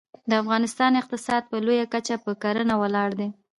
د افغانستان اقتصاد په لویه کچه په کرنه ولاړ دی